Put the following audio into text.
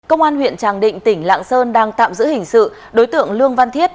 công an huyện tràng định tỉnh lạng sơn đang tạm giữ hình sự đối tượng lương văn thiết